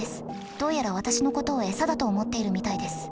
どうやら私のことを餌だと思っているみたいです。